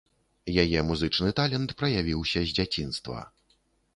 Яе музычны талент праявіўся з дзяцінства.